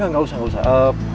gak usah gak usah